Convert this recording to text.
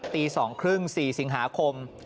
ตี๒ครึ่ง๔สิงหาคม